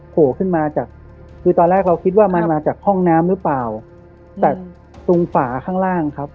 โผล่ขึ้นมาจากคือตอนแรกเราคิดว่ามันมาจากห้องน้ำหรือเปล่าแต่ตรงฝาข้างล่างครับ